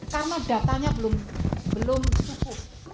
karena datanya belum cukup